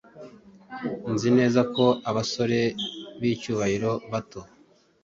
Nzi neza ko abasore bicyubahiro bato